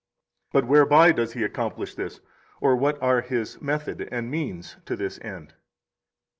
41 But whereby does He accomplish this, or what are His method and means to this end?